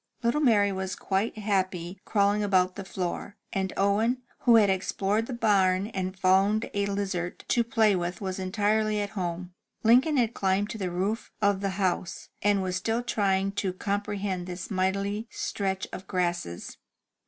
Little Mary was quite happy crawling about the floor, and Owen, who had explored the barn and found a lizard to play with, was entirely at home. Lincoln had climbed to the roof of the house, and was still trying to com prehend this mighty stretch of grasses.